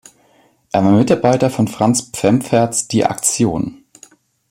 Er war Mitarbeiter von Franz Pfemferts "Die Aktion".